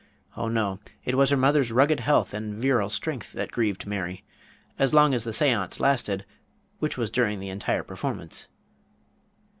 Oh, no; it was her mother's rugged health and virile strength that grieved Mary, as long as the seance lasted, which was during the entire performance.